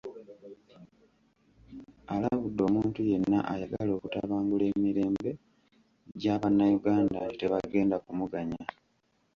Alabudde omuntu yenna ayagala okutabangula emirembe gya Bannayuganda nti tebagenda kumuganya.